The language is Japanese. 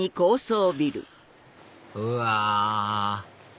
うわ！